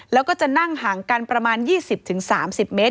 แล้วก็จะนั่งห่างกันประมาณ๒๐๓๐เมตร